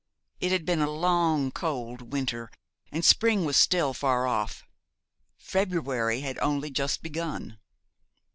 It had been a long, cold winter, and spring was still far off February had only just begun.